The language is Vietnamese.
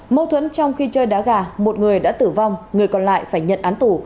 mâu thuẫn trong khi chơi đá gà một người đã tử vong người còn lại phải nhận án tù